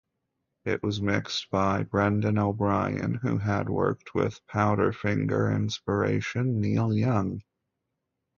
It was mixed by Brendan O'Brien, who had worked with Powderfinger inspiration Neil Young.